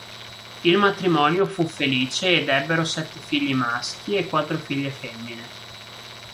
Il matrimonio fu felice ed ebbero sette figli maschi e quattro figlie femmine.